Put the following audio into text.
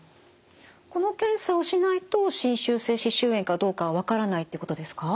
この検査をしないと侵襲性歯周炎かどうかは分からないってことですか？